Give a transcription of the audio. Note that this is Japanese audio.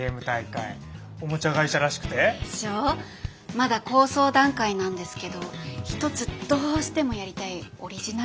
まだ構想段階なんですけど一つどうしてもやりたいオリジナルのアイデアがあって。